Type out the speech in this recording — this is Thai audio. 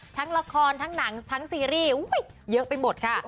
ทั้งละครทั้งหนังทั้งซีรีส์เยอะไปหมดค่ะ